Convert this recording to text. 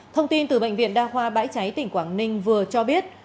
thông tin từ bệnh viện đa khoa bãi cháy tỉnh quảng ninh vừa cho biết